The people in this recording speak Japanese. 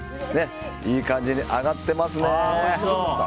いい感じに揚がってますね。